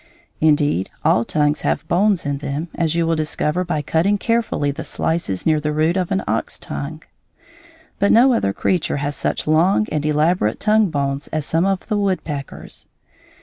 Indeed, all tongues have bones in them, as you will discover by cutting carefully the slices near the root of an ox tongue; but no other creature has such long and elaborate tongue bones as some of the woodpeckers.